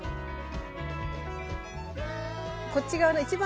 こっち側の一番